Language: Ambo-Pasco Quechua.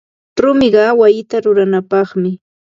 Rumiqa wayita ruranapaqmi.